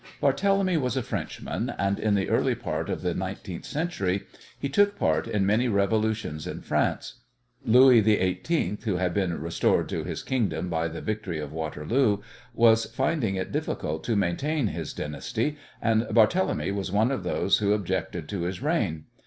Barthélemy was a Frenchman, and in the early part of the nineteenth century he took part in many revolutions in France. Louis XVIII, who had been restored to his kingdom by the victory of Waterloo, was finding it difficult to maintain his dynasty, and Barthélemy was one of those who objected to his reign.